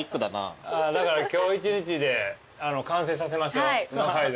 だから今日一日で完成させましょううま街道。